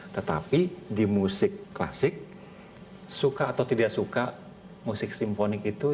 tetapi di musik klasik suka atau tidak suka musik simfonik itu